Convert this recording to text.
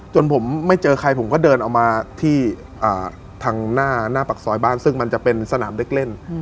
จนผมไม่เจอใครผมก็เดินออกมาที่ทางหน้าปากซอยบ้านซึ่งมันจะเป็นสนามเด็กเล่น